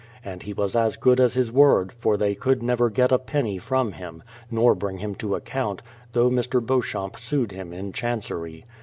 And he was as good as his word, for they could never get a penny from him, nor bring him to account, though Mr. Beauchamp sued him in Chancery.